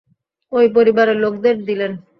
ঐ পরিবারের লোকদের দিলেন।